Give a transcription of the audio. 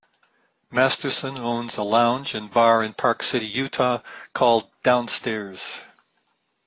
Masterson owns a lounge and bar in Park City, Utah called "Downstairs".